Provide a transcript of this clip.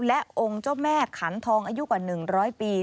และองค์เจ้าแม่ขันทองอายุกว่า๑๐๐ปี